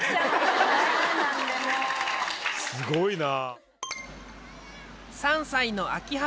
すごいな。